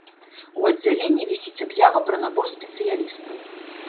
У аддзяленні вісіць аб'ява пра набор спецыялістаў.